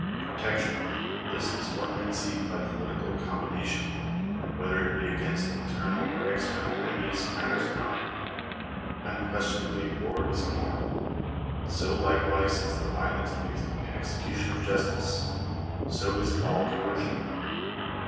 Protection, — this is what men seek by political com bination ; and whether it be against internal or external enemies matters not. Unquestionably war is immoral. But so like wise is the violence used in the execution of justice ; so is all coercion.